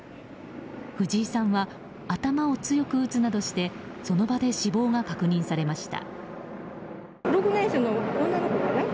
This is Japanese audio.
藤井さんは頭を強く打つなどしてその場で死亡が確認されました。